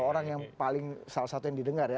orang yang paling salah satu yang didengar ya